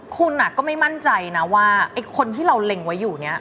คุณก็ไม่มั่นใจนะว่าไอ้คนที่เราเล็งไว้อยู่เนี่ย